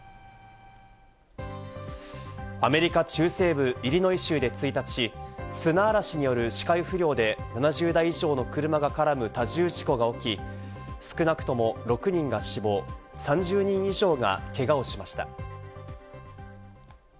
アメリカ中西部イリノイ州で１日、砂嵐による視界不良で７０台以上の車が絡む多重事故が起き、少なくとも６人が死亡、３０人以上がけがをしました。